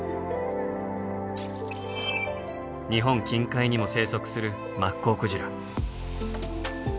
日本近海にも生息するマッコウクジラ。